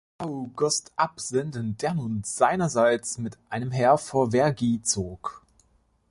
August absenden, der nun seinerseits mit einem Heer vor Vergy zog.